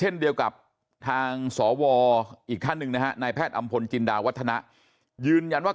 สวออีกท่านหนึ่งนะฮะนายแพทย์อำพลจินดาวัทนะยืนยันว่า